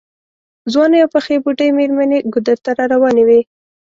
ځوانې او پخې بوډۍ مېرمنې ګودر ته راروانې وې.